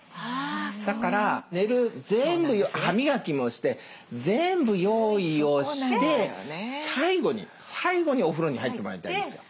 だから寝る全部歯磨きもして全部用意をして最後にお風呂に入ってもらいたいんですよ。